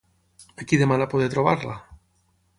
A qui demana poder trobar-la?